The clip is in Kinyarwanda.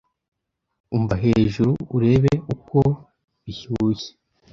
Umva hejuru urebe uko bishyushye.